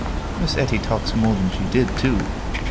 Miss Etty talks more than she did, too.